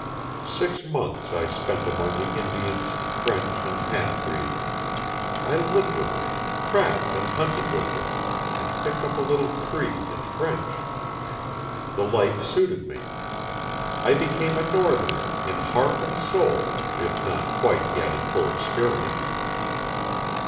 Six months I spent among the Indians, French, and half breeds. I lived with them, trapped and hunted with them, and picked up a little Cree and French. The life suited me. I became a northerner in heart and soul, if not quite yet in full experience.